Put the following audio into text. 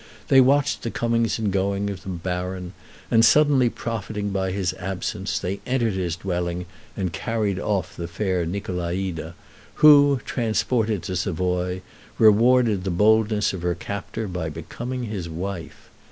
They watched the comings and goings of the baron, and suddenly profiting by his absence, they entered his dwelling and carried off the fair Nicolaïde, who, transported to Savoy, rewarded the boldness of her captor by becoming his wife.